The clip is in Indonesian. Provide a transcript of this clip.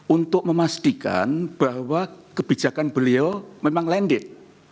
untuk memastikan bahwa kebijakan beliau memang landed